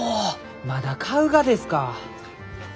まだ買うがですか？